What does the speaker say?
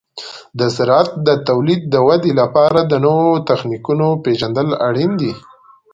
د زراعت د تولید د ودې لپاره د نوو تخنیکونو پیژندل اړین دي.